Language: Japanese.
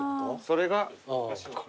それが。